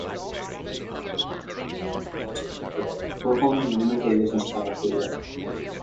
A later acronym was also included: Performing Animal Television Star of the Year.